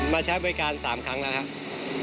ใช้บริการ๓ครั้งแล้วครับ